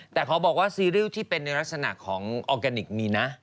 แต่ขอบอกว่าซีรีส์ที่เป็นในลักษณะของออร์แกนิคมีนะ